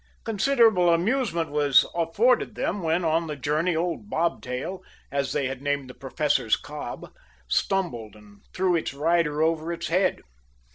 Considerable amusement was afforded them when, on the journey, old Bobtail, as they had named the Professor's cob, stumbled and threw its rider over its head.